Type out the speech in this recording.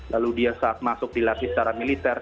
lalu dia saat masuk dilatih secara militer